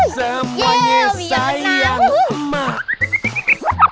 semuanya sayang emak